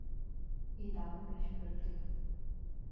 Идалык гыч пӧртыльӧ.